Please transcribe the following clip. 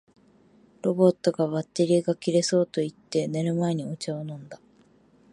ロボットが「バッテリーが切れそう」と言って、寝る前にお茶を飲んだ